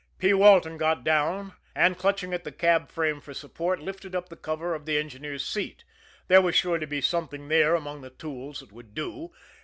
P. Walton got down, and, clutching at the cab frame for support, lifted up the cover of the engineer's seat there was sure to be something there among the tools that would do.